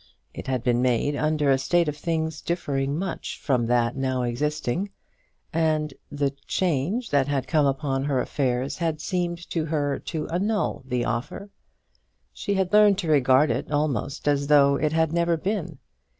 It had been made under a state of things differing much from that now existing, and the change that had come upon her affairs had seemed to her to annul the offer. She had learned to regard it almost as though it had never been.